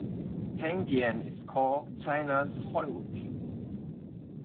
Hengdian is called "China's Hollywood".